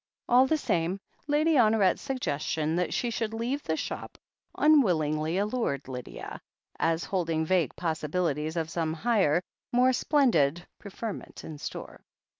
All the same, Lady Honoret's suggestion that she should leave the shop unwillingly allured Lydia, as holding vague possibilities of some higher, more splen did preferment in store.